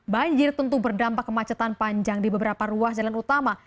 banjir tentu berdampak kemacetan panjang di beberapa ruas jalan utama